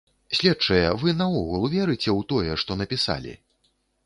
Следчыя, вы наогул верыце ў тое, што напісалі?